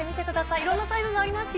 いろんなサイズもありますよ。